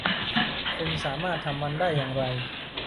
คุณสามารถทำมันได้อย่างไร